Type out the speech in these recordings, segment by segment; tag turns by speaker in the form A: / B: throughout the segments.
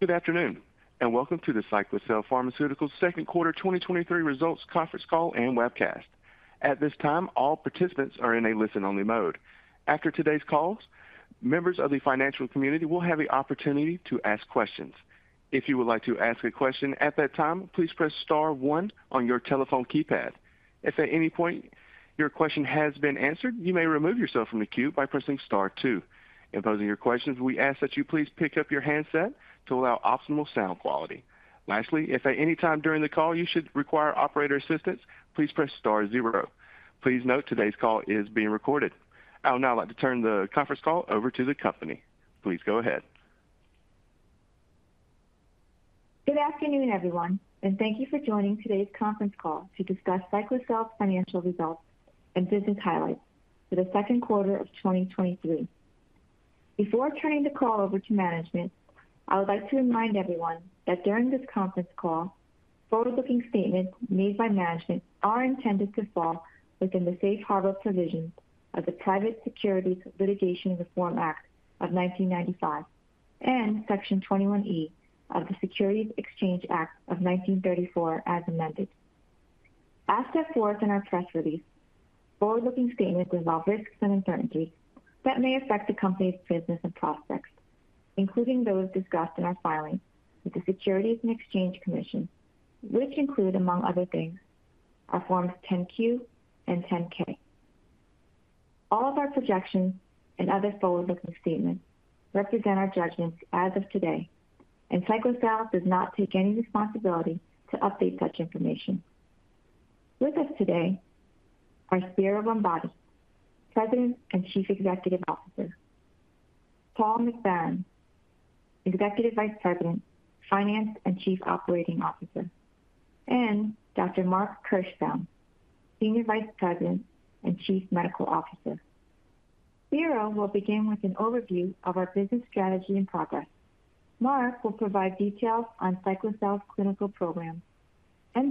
A: Good afternoon, welcome to the Cyclacel Pharmaceuticals Second Quarter 2023 Results Conference Call and Webcast. At this time, all participants are in a listen-only mode. After today's call, members of the financial community will have the opportunity to ask questions. If you would like to ask a question at that time, please press star one on your telephone keypad. If at any point your question has been answered, you may remove yourself from the queue by pressing star two. In posing your questions, we ask that you please pick up your handset to allow optimal sound quality. Lastly, if at any time during the call you should require operator assistance, please press star zero. Please note today's call is being recorded. I would now like to turn the conference call over to the company. Please go ahead.
B: Good afternoon, everyone, and thank you for joining today's conference call to discuss Cyclacel's financial results and business highlights for the second quarter of 2023. Before turning the call over to management, I would like to remind everyone that during this conference call, forward-looking statements made by management are intended to fall within the safe harbor provisions of the Private Securities Litigation Reform Act of 1995 and Section 21E of the Securities Exchange Act of 1934 as amended. As set forth in our press release, forward-looking statements involve risks and uncertainties that may affect the company's business and prospects, including those discussed in our filings with the Securities and Exchange Commission, which include, among other things, our forms 10-Q and 10-K. All of our projections and other forward-looking statements represent our judgments as of today. Cyclacel does not take any responsibility to update such information. With us today are Spiro Rombotis, President and Chief Executive Officer, Paul McBarron, Executive Vice President, Finance and Chief Operating Officer, and Dr. Mark Kirschbaum, Senior Vice President and Chief Medical Officer. Spiro will begin with an overview of our business strategy and progress. Mark will provide details on Cyclacel's clinical program.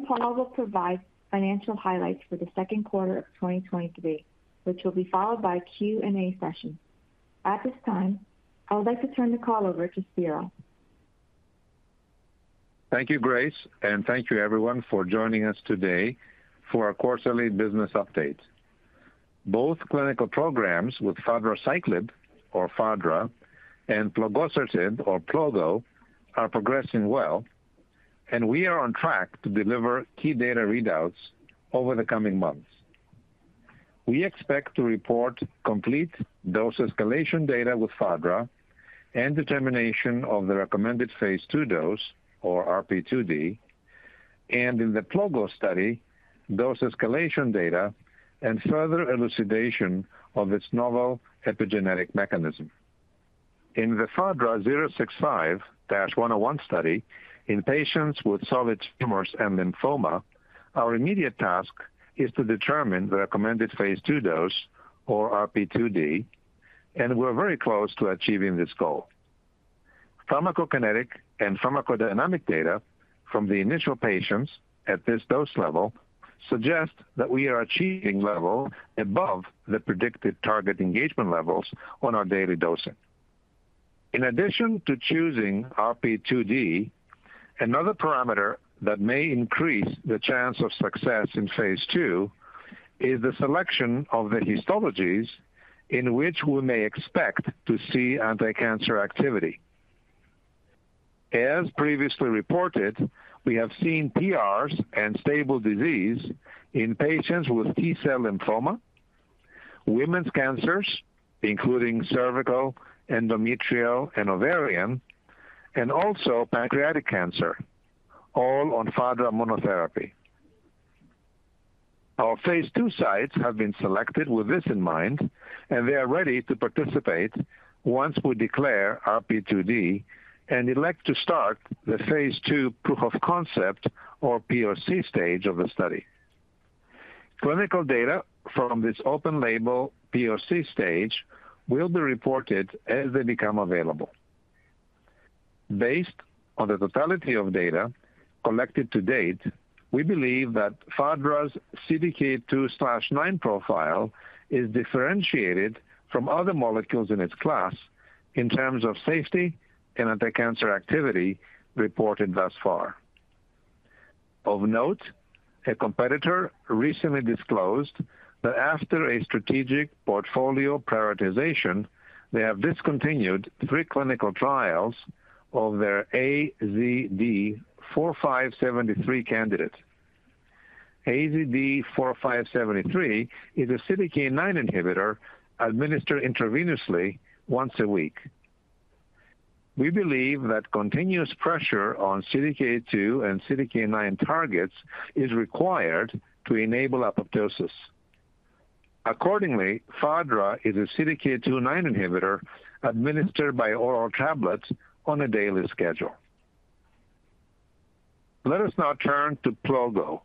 B: Paul will provide financial highlights for the second quarter of 2023, which will be followed by a Q&A session. At this time, I would like to turn the call over to Spiro.
C: Thank you, Grace, and thank you everyone for joining us today for our quarterly business update. Both clinical programs with fadraciclib, or Fadra, and plogosertib, or Plogo, are progressing well, and we are on track to deliver key data readouts over the coming months. We expect to report complete dose escalation data with Fadra and determination of the recommended phase II dose, or RP2D, and in the Plogo study, dose escalation data and further elucidation of its novel epigenetic mechanism. In the Fadra 065-101 study in patients with solid tumors and lymphoma, our immediate task is to determine the recommended phase II dose or RP2D, and we're very close to achieving this goal. Pharmacokinetic and pharmacodynamic data from the initial patients at this dose level suggest that we are achieving level above the predicted target engagement levels on our daily dosing. In addition to choosing RP2D, another parameter that may increase the chance of success in phase II is the selection of the histologies in which we may expect to see anticancer activity. As previously reported, we have seen PRs and stable disease in patients with T-cell lymphoma, women's cancers, including cervical, endometrial, and ovarian, and also pancreatic cancer, all on Fadra monotherapy. Our phase II sites have been selected with this in mind, and they are ready to participate once we declare RP2D and elect to start the phase II proof-of-concept or POC stage of the study. Clinical data from this open-label POC stage will be reported as they become available. Based on the totality of data collected to date, we believe that Fadra's CDK2/9 profile is differentiated from other molecules in its class in terms of safety and anticancer activity reported thus far. Of note, a competitor recently disclosed that after a strategic portfolio prioritization, they have discontinued three clinical trials of their AZD4573 candidate. AZD4573 is a CDK9 inhibitor administered intravenously once a week. We believe that continuous pressure on CDK2 and CDK9 targets is required to enable apoptosis. Accordingly, Fadra is a CDK2/9 inhibitor administered by oral tablets on a daily schedule. Let us now turn to Plogo.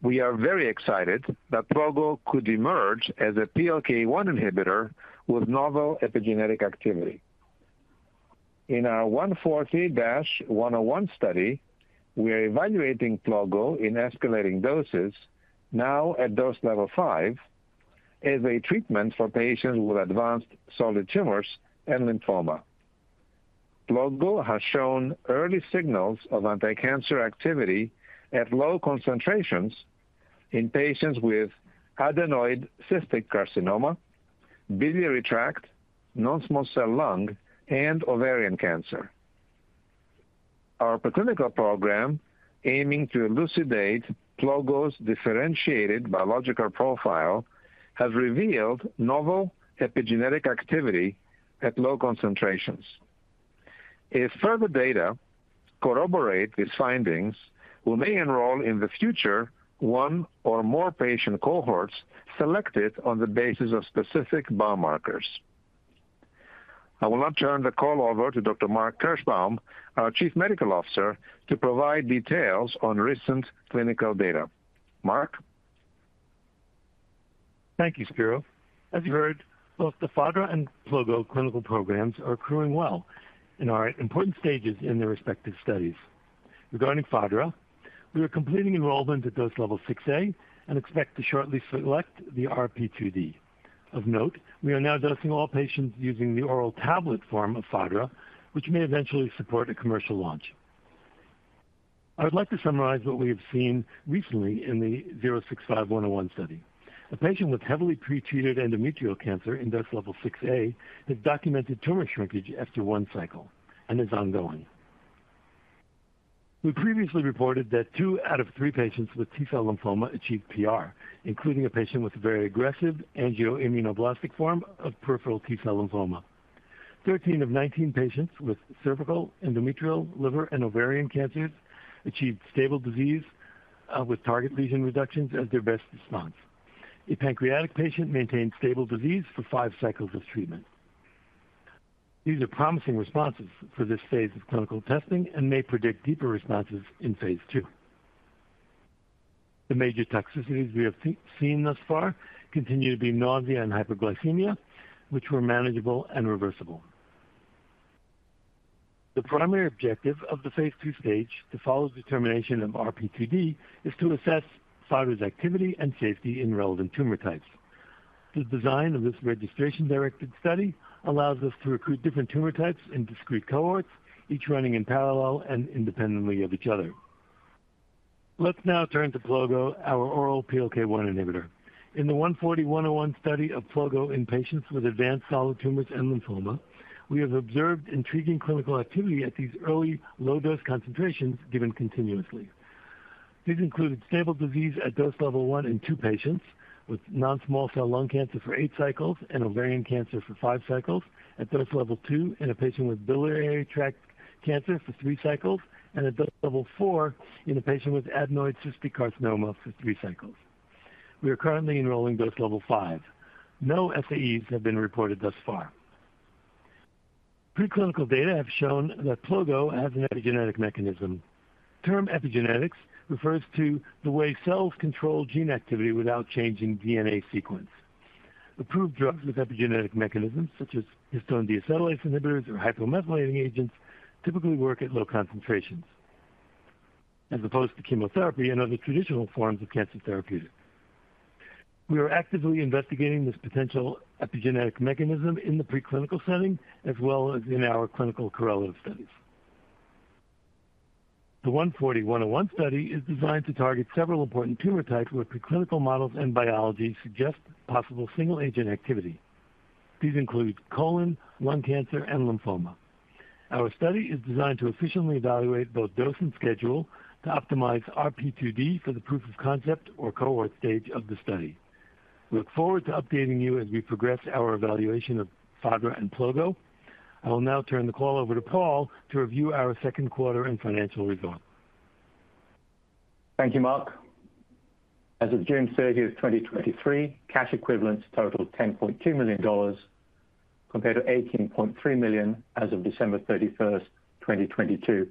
C: We are very excited that Plogo could emerge as a PLK1 inhibitor with novel epigenetic activity. In our 140-101 study, we are evaluating Plogo in escalating doses, now at dose level five as a treatment for patients with advanced solid tumors and lymphoma. Plogo has shown early signals of anticancer activity at low concentrations in patients with adenoid cystic carcinoma, biliary tract, non-small cell lung, and ovarian cancer. Our preclinical program, aiming to elucidate Plogo's differentiated biological profile, has revealed novel epigenetic activity at low concentrations. If further data corroborate these findings, we may enroll in the future, one or more patient cohorts selected on the basis of specific biomarkers. I will now turn the call over to Dr. Mark Kirschbaum, our Chief Medical Officer, to provide details on recent clinical data. Mark?
D: Thank you, Spiro. As you heard, both the Fadra and Plogo clinical programs are accruing well and are at important stages in their respective studies. Regarding Fadra, we are completing enrollment at dose level 6A and expect to shortly select the RP2D. Of note, we are now dosing all patients using the oral tablet form of Fadra, which may eventually support a commercial launch. I would like to summarize what we have seen recently in the 065-101 study. A patient with heavily pretreated endometrial cancer in dose level 6A has documented tumor shrinkage after one cycle and is ongoing. We previously reported that two out of three patients with T-cell lymphoma achieved PR, including a patient with a very aggressive angioimmunoblastic form of peripheral T-cell lymphoma. 13 of 19 patients with cervical, endometrial, liver, and ovarian cancers achieved stable disease with target lesion reductions as their best response. A pancreatic patient maintained stable disease for five cycles of treatment. These are promising responses for this phase of clinical testing and may predict deeper responses in phase II. The major toxicities we have seen thus far continue to be nausea and hypoglycemia, which were manageable and reversible. The primary objective of the phase II stage, to follow determination of RP2D, is to assess Fadra's activity and safety in relevant tumor types. The design of this registration-directed study allows us to recruit different tumor types in discrete cohorts, each running in parallel and independently of each other. Let's now turn to Plogo, our oral PLK1 inhibitor. In the 140-101 study of Plogo in patients with advanced solid tumors and lymphoma, we have observed intriguing clinical activity at these early low-dose concentrations given continuously. These included stable disease at dose level 1 in 2 patients with non-small cell lung cancer for eight cycles and ovarian cancer for five cycles, at dose level 2 in a patient with biliary tract cancer for three cycles, and at dose level 4 in a patient with adenoid cystic carcinoma for three cycles. We are currently enrolling dose level 5. No SAEs have been reported thus far. Preclinical data have shown that Plogo has an epigenetic mechanism. Term epigenetics refers to the way cells control gene activity without changing DNA sequence. Approved drugs with epigenetic mechanisms, such as histone deacetylase inhibitors or hypomethylating agents, typically work at low concentrations, as opposed to chemotherapy and other traditional forms of cancer therapeutics. We are actively investigating this potential epigenetic mechanism in the preclinical setting, as well as in our clinical correlative studies. The 140-101 study is designed to target several important tumor types, where preclinical models and biology suggest possible single-agent activity. These include colon, lung cancer, and lymphoma. Our study is designed to efficiently evaluate both dose and schedule to optimize RP2D for the proof-of-concept or cohort stage of the study. We look forward to updating you as we progress our evaluation of Fadra and Plogo. I will now turn the call over to Paul to review our second quarter and financial results.
E: Thank you, Mark. As of June 30th, 2023, cash equivalents totaled $10.2 million, compared to $18.3 million as of December 31st, 2022.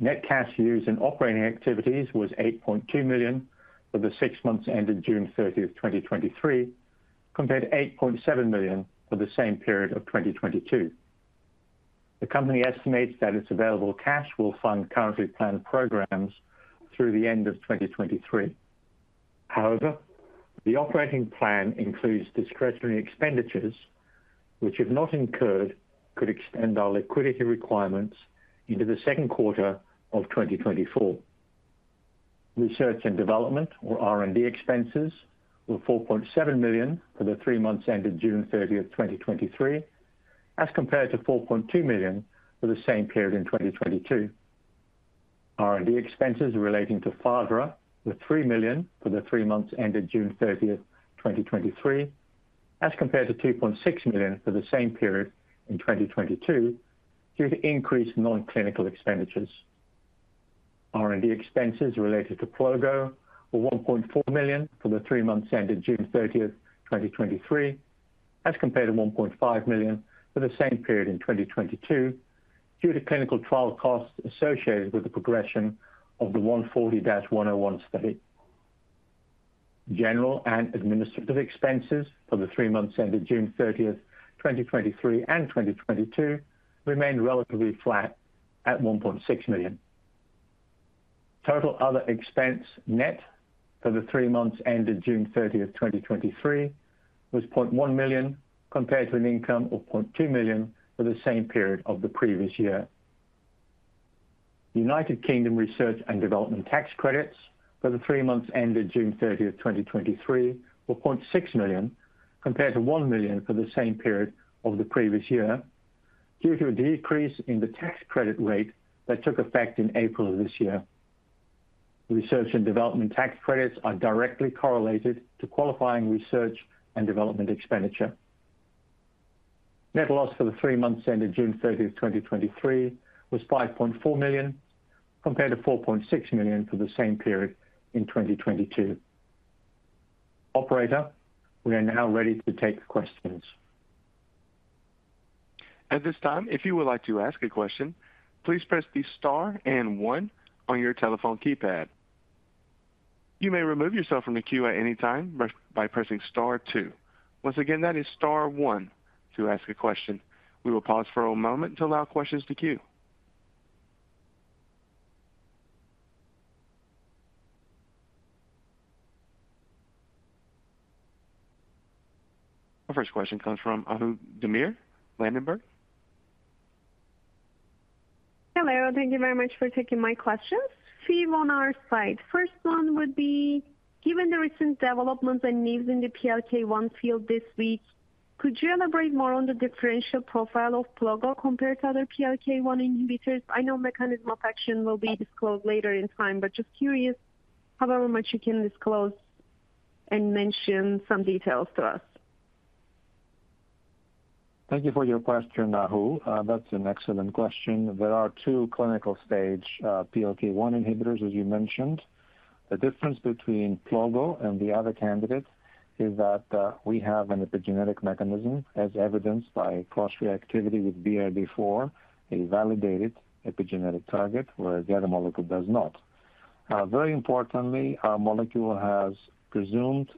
E: Net cash used in operating activities was $8.2 million for the six months ended June 30th, 2023, compared to $8.7 million for the same period of 2022. The company estimates that its available cash will fund currently planned programs through the end of 2023. However, the operating plan includes discretionary expenditures, which, if not incurred, could extend our liquidity requirements into the second quarter of 2024. Research and development, or R&D expenses, were $4.7 million for the three months ended June 30th, 2023, as compared to $4.2 million for the same period in 2022. R&D expenses relating to Fadra were $3 million for the three months ended June 30th, 2023, as compared to $2.6 million for the same period in 2022, due to increased non-clinical expenditures. R&D expenses related to Plogo were $1.4 million for the three months ended June 30th, 2023, as compared to $1.5 million for the same period in 2022, due to clinical trial costs associated with the progression of the 140-101 study. General and administrative expenses for the three months ended June 30th, 2023 and 2022, remained relatively flat at $1.6 million.
C: Total other expense net for the three months ended June 30, 2023, was $0.1 million, compared to an income of $0.2 million for the same period of the previous year. United Kingdom research and development tax credits for the three months ended June 30, 2023, were $0.6 million, compared to $1 million for the same period of the previous year, due to a decrease in the tax credit rate that took effect in April of this year. Research and development tax credits are directly correlated to qualifying research and development expenditure. Net loss for the three months ended June 30, 2023, was $5.4 million, compared to $4.6 million for the same period in 2022. Operator, we are now ready to take questions.
A: At this time, if you would like to ask a question, please press the star and one on your telephone keypad. You may remove yourself from the queue at any time by pressing star two. Once again, that is star one to ask a question. We will pause for a moment to allow questions to queue. Our first question comes from Ahu Demir, Ladenburg.
F: Hello. Thank you very much for taking my questions. Few on our side. First one would be, given the recent developments and news in the PLK1 field this week, could you elaborate more on the differential profile of Plogo compared to other PLK1 inhibitors? I know mechanism of action will be disclosed later in time, but just curious however much you can disclose and mention some details to us.
C: Thank you for your question, Ahu. That's an excellent question. There are two clinical stage PLK1 inhibitors, as you mentioned. The difference between Plogo and the other candidate is that we have an epigenetic mechanism, as evidenced by cross-reactivity with BRD4, a validated epigenetic target, where the other molecule does not. Very importantly, our molecule has presumed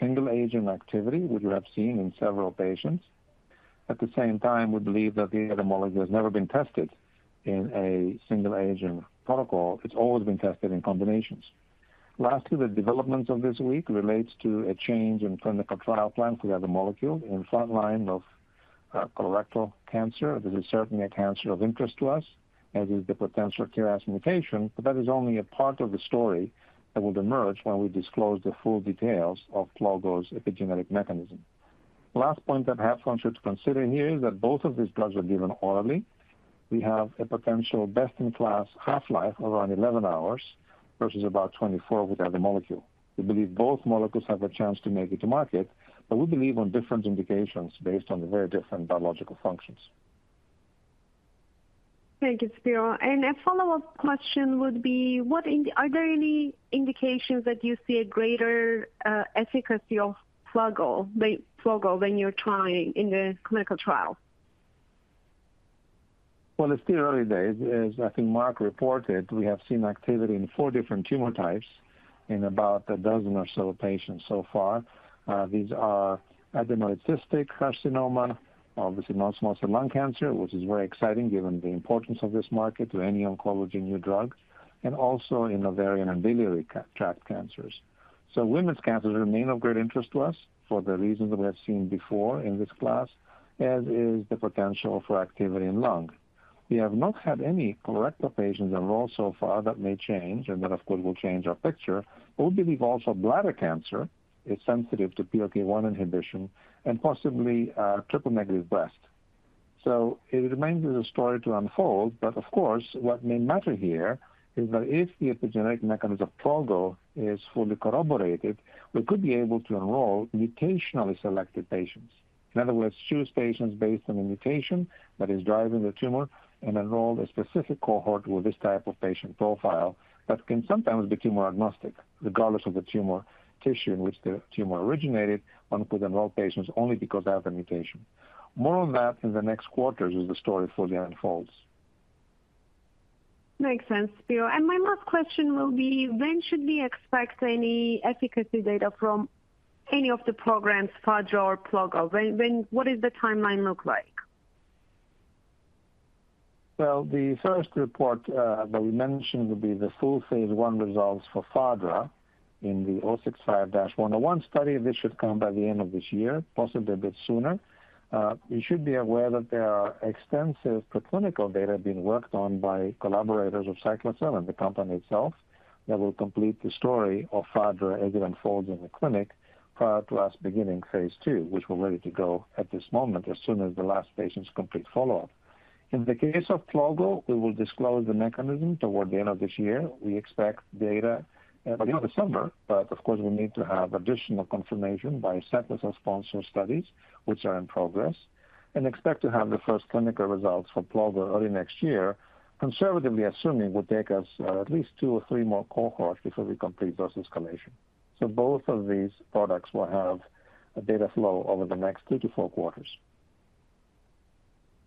C: single-agent activity, which we have seen in several patients. At the same time, we believe that the other molecule has never been tested in a single-agent protocol. It's always been tested in combinations. Lastly, the developments of this week relates to a change in clinical trial plans for the other molecule in frontline of colorectal cancer. This is certainly a cancer of interest to us, as is the potential KRAS mutation, that is only a part of the story that will emerge when we disclose the full details of Plogo's epigenetic mechanism. Last point that perhaps one should consider here is that both of these drugs are given orally. We have a potential best-in-class half-life, around 11 hours, versus about 24 with the other molecule. We believe both molecules have a chance to make it to market, but we believe on different indications based on the very different biological functions.
F: Thank you, Spiro. A follow-up question would be: What Are there any indications that you see a greater efficacy of Plogo, the Plogo, when you're trying in the clinical trial?
C: Well, it's still early days. As I think Mark reported, we have seen activity in four different tumor types in about a dozen or so patients so far. These are adenoid cystic carcinoma, obviously non-small cell lung cancer, which is very exciting given the importance of this market to any oncology new drugs, and also in ovarian and biliary tract cancers. Women's cancers remain of great interest to us for the reasons we have seen before in this class, as is the potential for activity in lung. We have not had any colorectal patients enroll so far. That may change, and that, of course, will change our picture. We believe also bladder cancer is sensitive to PLK1 inhibition and possibly triple-negative breast. It remains as a story to unfold, but of course, what may matter here is that if the epigenetic mechanism of Plogo is fully corroborated, we could be able to enroll mutationally selected patients. In other words, choose patients based on the mutation that is driving the tumor, and enroll a specific cohort with this type of patient profile that can sometimes be tumor-agnostic, regardless of the tumor tissue in which the tumor originated, and of course, enroll patients only because they have the mutation. More on that in the next quarters, as the story fully unfolds.
F: Makes sense, Spiro. My last question will be: When should we expect any efficacy data from any of the programs, Fadra or Plogo? When? What does the timeline look like?
C: Well, the first report that we mentioned would be the full phase I results for Fadra in the 065-101 study. This should come by the end of this year, possibly a bit sooner. You should be aware that there are extensive preclinical data being worked on by collaborators of Cyclacel and the company itself, that will complete the story of Fadra as it unfolds in the clinic prior to us beginning phase II, which we're ready to go at this moment, as soon as the last patients complete follow-up. In the case of Plogo, we will disclose the mechanism toward the end of this year. We expect data by the end of December. Of course, we need to have additional confirmation by separate sponsored studies, which are in progress. Expect to have the first clinical results for Plogo early next year. Conservatively assuming, will take us at least two or three more cohorts before we complete dose escalation. Both of these products will have a data flow over the next two to four quarters.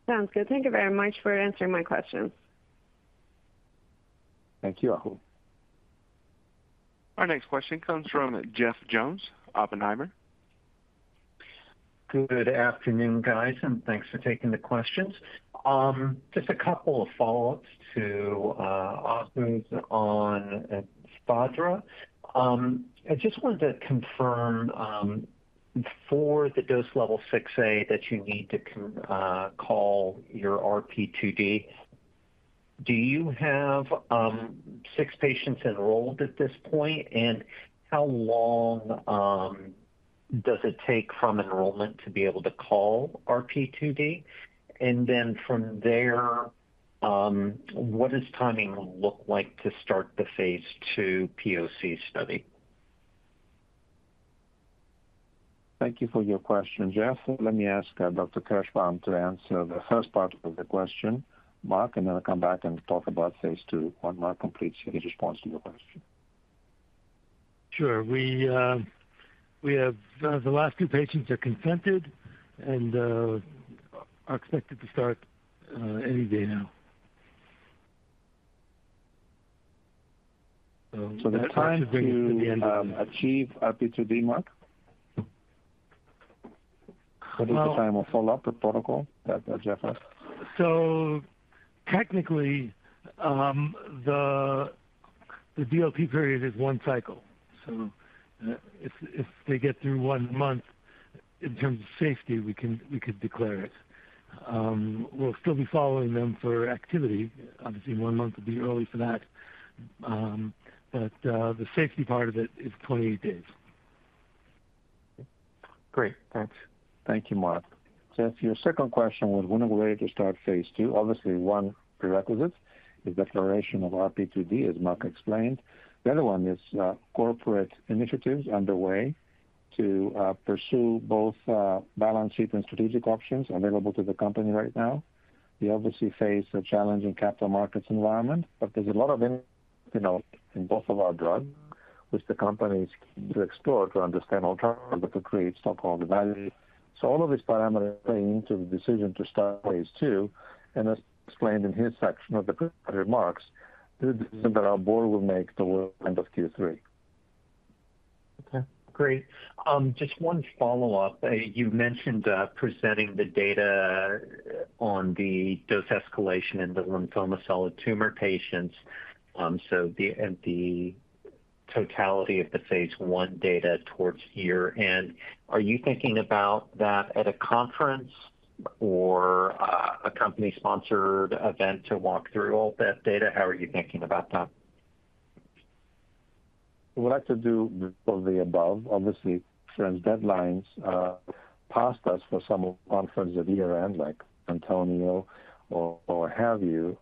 F: Sounds good. Thank you very much for answering my questions.
C: Thank you, Ahu.
A: Our next question comes from Jeffrey Jones, Oppenheimer.
G: Good afternoon, guys, and thanks for taking the questions. Just a couple of follow-ups to ask on Fadra. I just wanted to confirm for the dose level 6A that you need to call your RP2D. Do you have six patients enrolled at this point? How long does it take from enrollment to be able to call RP2D? Then from there, what does timing look like to start the phase II POC study?
C: Thank you for your question, Jeff. Let me ask, Dr. Kirschbaum to answer the first part of the question, Mark, and then I'll come back and talk about phase II when Mark completes his response to your question.
D: Sure. We, we have, the last two patients are consented and, are expected to start, any day now.
C: The time to achieve RP2D, Mark? What is the time of follow-up of protocol, Jeff asked.
D: Technically, the DLT period is one cycle. If they get through one month in terms of safety, we can, we could declare it. We'll still be following them for activity. Obviously, one month would be early for that, but the safety part of it is 28 days.
G: Great. Thanks.
C: Thank you, Mark. As to your second question, was when are we ready to start phase II? Obviously, one prerequisite is declaration of RP2D, as Mark explained. The other one is, corporate initiatives underway to pursue both balance sheet and strategic options available to the company right now. We obviously face a challenging capital-markets environment, but there's a lot of in, you know, in both of our drug, which the company is to explore to understand alternative, but to create so-called value. All of these parameters play into the decision to start phase II, and as explained in his section of the prepared remarks, the decision that our board will make towards the end of Q3.
G: Okay, great. Just one follow-up. You mentioned, presenting the data on the dose escalation in the lymphoma solid tumor patients, and the totality of the phase I data towards year-end. Are you thinking about that at a conference or, a company-sponsored event to walk through all that data? How are you thinking about that?
C: We'd like to do both of the above. Obviously, certain deadlines passed us for some conferences at year-end, like Antonio or, or have you.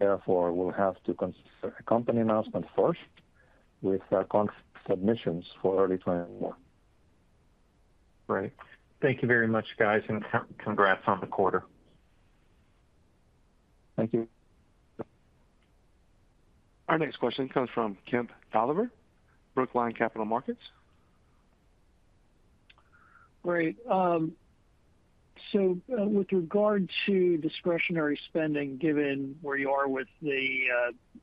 C: Therefore, we'll have to consider a company announcement first with conference submissions for early 2024.
G: Great. Thank you very much, guys, and congrats on the quarter.
C: Thank you.
A: Our next question comes from Kemp Dolliver, Brookline Capital Markets.
H: Great. with regard to discretionary spending, given where you are with the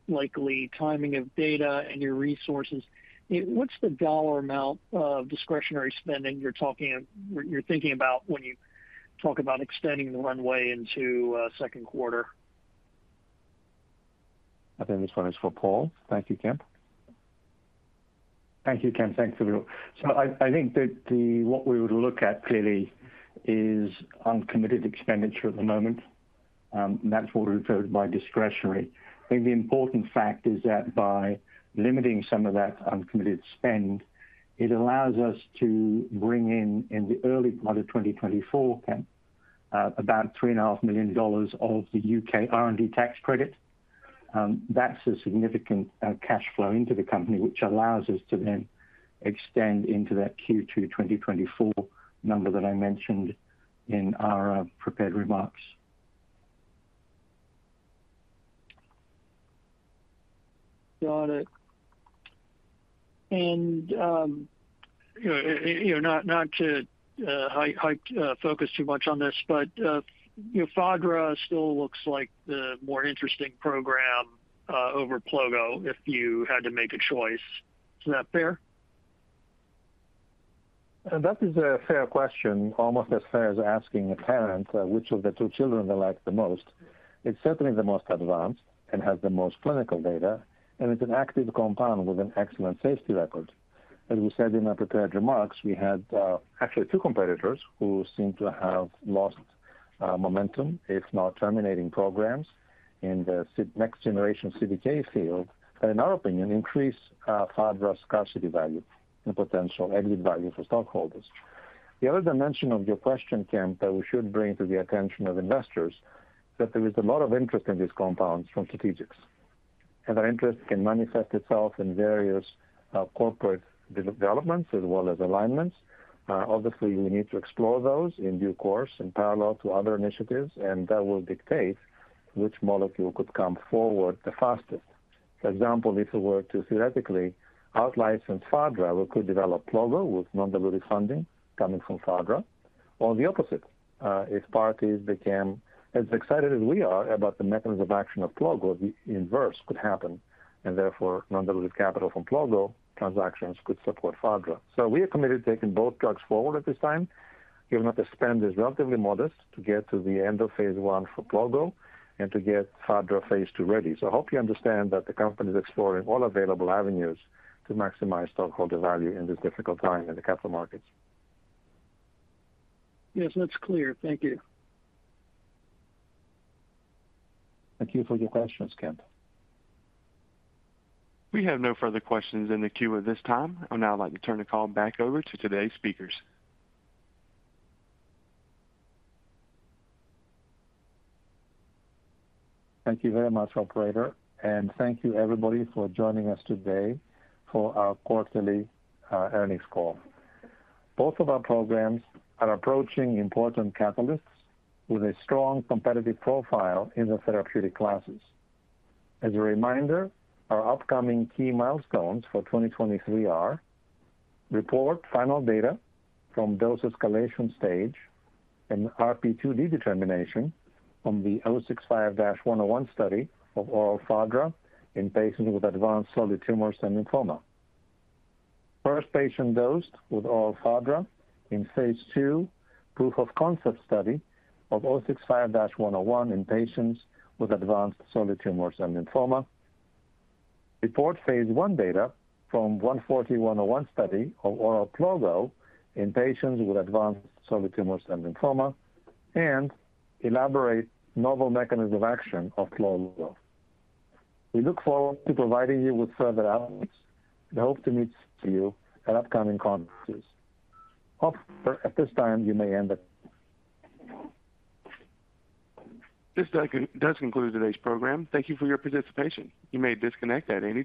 H: likely timing of data and your resources, what's the dollar amount of discretionary spending you're talking, you're thinking about when you talk about extending the runway into second quarter?
C: I think this one is for Paul. Thank you, Kemp.
E: Thank you, Kemp. Thanks, everyone. What we would look at clearly is uncommitted expenditure at the moment, and that's what we referred by discretionary. I think the important fact is that by limiting some of that uncommitted spend, it allows us to bring in, in the early part of 2024, Kemp, about $3.5 million of the U.K. R&D tax credit. That's a significant cash flow into the company, which allows us to then extend into that Q2 2024 number that I mentioned in our prepared remarks.
H: Got it. You know, you know, not, not to focus too much on this, but, you know, Fadra still looks like the more interesting program, over Plogo, if you had to make a choice. Is that fair?
C: That is a fair question, almost as fair as asking a parent, which of the two children they like the most. It's certainly the most advanced and has the most clinical data, and it's an active compound with an excellent safety record. As we said in our prepared remarks, we had actually two competitors who seem to have lost momentum, if not terminating programs in the next generation CDK field, that in our opinion, increase Fadra's scarcity value and potential added value for stockholders. The other dimension of your question, Kemp, that we should bring to the attention of investors, that there is a lot of interest in these compounds from strategics, and that interest can manifest itself in various corporate developments as well as alignments. Obviously, we need to explore those in due course, in parallel to other initiatives, and that will dictate which molecule could come forward the fastest. For example, if we were to theoretically outlicense Fadra, we could develop Plogo with non-dilutive funding coming from Fadra. Or the opposite, if parties became as excited as we are about the mechanisms of action of Plogo, the inverse could happen, and therefore, non-dilutive capital from Plogo transactions could support Fadra. We are committed to taking both drugs forward at this time. Even if the spend is relatively modest to get to the end of phase I for Plogo and to get fadraciclib phase II ready. I hope you understand that the company is exploring all available avenues to maximize stockholder value in this difficult time in the capital markets.
H: Yes, that's clear. Thank you.
C: Thank you for your questions, Kemp.
A: We have no further questions in the queue at this time. I would now like to turn the call back over to today's speakers.
C: Thank you very much, operator. Thank you everybody for joining us today for our quarterly earnings call. Both of our programs are approaching important catalysts with a strong competitive profile in the therapeutic classes. As a reminder, our upcoming key milestones for 2023 are: report final data from dose escalation stage and RP2D determination from the 065-101 study of oral fadraciclib in patients with advanced solid tumors and lymphoma. First patient dosed with oral fadraciclib in phase II proof-of-concept study of 065-101 in patients with advanced solid tumors and lymphoma. Report phase I data from 140-101 study of oral Plogo in patients with advanced solid tumors and lymphoma, and elaborate novel mechanism of action of Plogo. We look forward to providing you with further updates and hope to meet you at upcoming conferences. Operator, at this time, you may end it.
A: This does conclude today's program. Thank you for your participation. You may disconnect at any time.